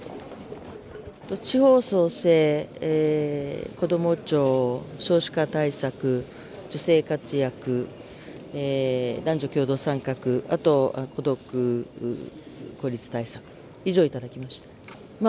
地方創生こども庁、少子化対策、女性活躍、男女共同参画、孤独孤立対策、以上、いただきました。